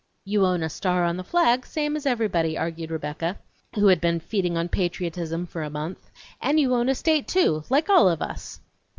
"You own a star on the flag, same as everybody," argued Rebecca, who had been feeding on patriotism for a month; "and you own a state, too, like all of us!"